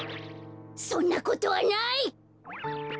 そんなことはない！